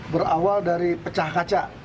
berawal dari pecah kaca